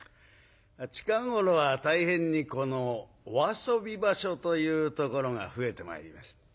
近頃は大変にお遊び場所というところが増えてまいりました。